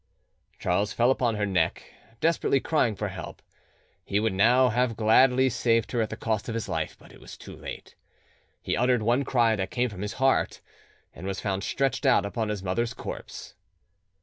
Charles fell upon her neck, desperately crying for help: he would now have gladly saved her at the cost of his life, but it was too late. He uttered one cry that came from his heart, and was found stretched out upon his mother's corpse.